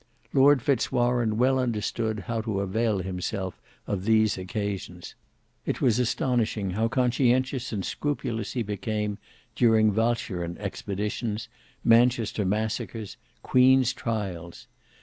Lord Fitz Warene well understood how to avail himself of these occasions; it was astonishing how conscientious and scrupulous he became during Walcheren expeditions, Manchester massacres, Queen's trials.